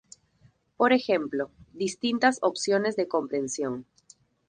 Por ejemplo: distintas opciones de compresión.